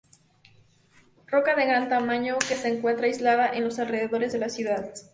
Roca de gran tamaño que se encuentra aislada en los alrededores de la ciudad.